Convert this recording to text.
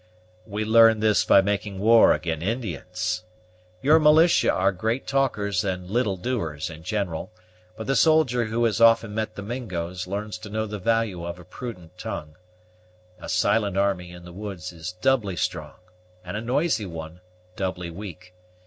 "We learn this by making war ag'in Indians. Your militia are great talkers and little doers in general; but the soldier who has often met the Mingos learns to know the value of a prudent tongue. A silent army, in the woods, is doubly strong; and a noisy one, doubly weak.